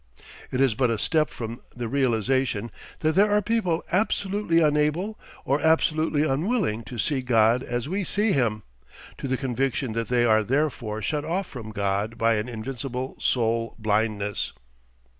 It is but a step from the realisation that there are people absolutely unable or absolutely unwilling to see God as we see him, to the conviction that they are therefore shut off from God by an invincible soul blindness.